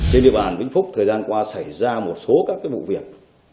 trên địa bàn vĩnh phúc thời gian qua xảy ra một số các vụ việc